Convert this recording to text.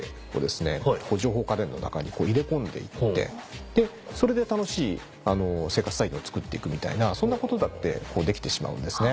情報家電の中に入れ込んでいってそれで楽しい生活体験を作っていくみたいなそんなことだってできてしまうんですね。